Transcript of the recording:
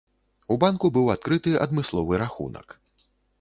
У банку быў адкрыты адмысловы рахунак.